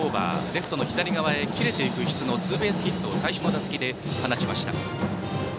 レフトの左側へ切れていくツーベースヒットを最初の打席で放ちました。